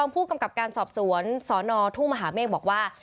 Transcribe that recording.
ผู้กำกับการสอบสวนสนทุ่งมหาเมฆบอกว่า